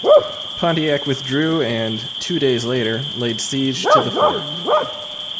Pontiac withdrew and, two days later, laid siege to the fort.